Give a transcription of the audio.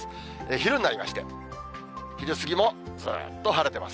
昼になりまして、昼過ぎもずっと晴れてます。